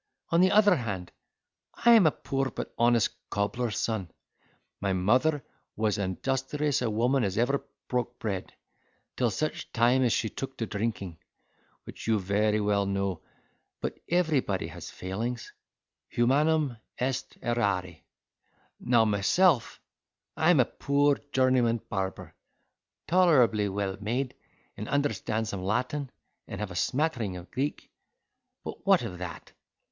On the other hand, I am a poor but honest cobbler's son: my mother was as industrious a woman as ever broke bread, till such time as she took to drinking, which you very well know; but everybody has failings—Humanum est errare. Now myself, I am a poor journeyman barber, tolerably well made and understand some Latin, and have a smattering of Greek; but what of that?